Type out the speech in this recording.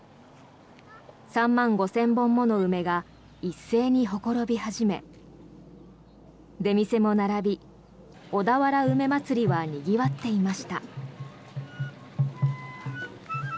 ３万５０００本もの梅が一斉にほころび始め出店も並び、小田原梅まつりはにぎわっていました。